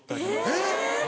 えっ！